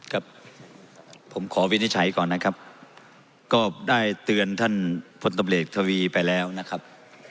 ครับผมขอวินิจฉัยก่อนนะครับก็ได้เตือนท่านพลตำรวจเอกทวีไปแล้วนะครับ